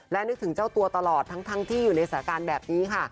และนึกถึงเจ้าตัวตลอดทั้งที่อยู่ในสถานการณ์แบบนี้ค่ะ